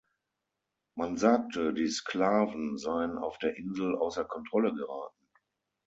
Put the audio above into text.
Man sagte, die Sklaven seien auf der Insel außer Kontrolle geraten.